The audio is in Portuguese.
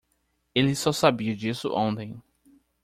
Ele só sabia disso ontem.